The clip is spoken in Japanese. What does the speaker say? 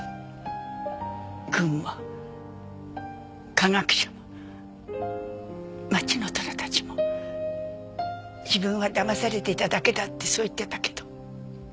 軍も科学者も町の大人たちも自分はだまされていただけだってそう言ってたけど。